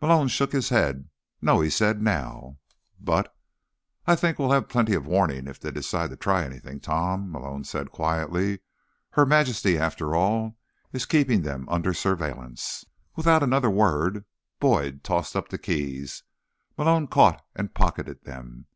Malone shook his head. "No," he said. "Now." "But—" "I think we'll have plenty of warning if they decide to try anything, Tom," Malone said quietly. "Her Majesty, after all, is keeping them under surveillance." Without another word, Boyd tossed up the keys. Malone caught and pocketed them.